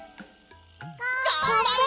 がんばれ！